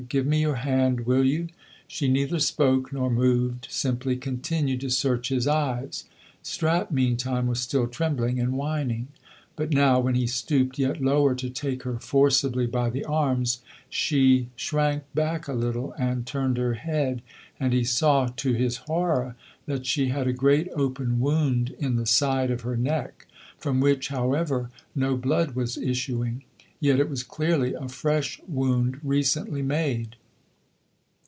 Give me your hand, will you?" She neither spoke nor moved; simply continued to search his eyes. Strap, meantime, was still trembling and whining. But now, when he stooped yet lower to take her forcibly by the arms, she shrank back a little way and turned her head, and he saw to his horror that she had a great open wound in the side of her neck from which, however, no blood was issuing. Yet it was clearly a fresh wound, recently made.